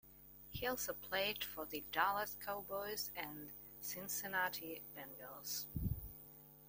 He also played for the Dallas Cowboys and Cincinnati Bengals.